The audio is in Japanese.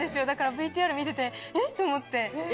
ＶＴＲ見ててえっ⁉と思って。